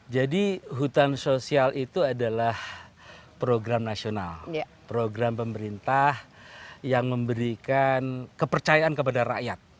jadi hutan sosial itu adalah program nasional program pemerintah yang memberikan kepercayaan kepada rakyat